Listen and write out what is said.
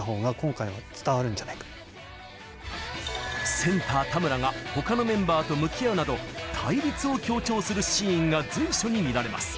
センター・田村がほかのメンバーと向き合うなど対立を強調するシーンが随所に見られます。